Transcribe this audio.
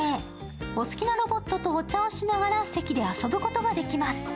お好きなロボットとお茶をしながら席で遊ぶことができます。